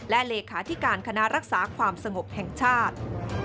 และเลขาธิการคณะรักษาความสงบแห่งชาติ